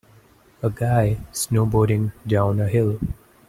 A guy snowboarding down a hill.